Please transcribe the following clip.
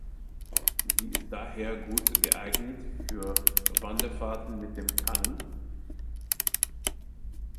Sie ist daher gut geeignet für Wanderfahrten mit dem Kanu.